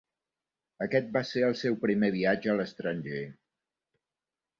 Aquest va ser el seu primer viatge a l'estranger.